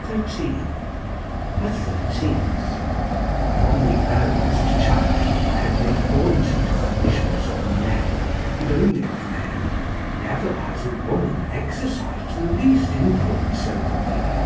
(13) A thirteenth: "From the earliest childhood I have been haunted by visions of men, and only of men; never has a woman exercised the least influence over me.